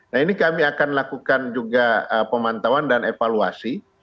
nah ini kami akan lakukan juga pemantauan dan evaluasi